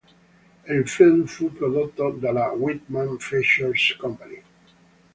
Il film fu prodotto dalla Whitman Features Company.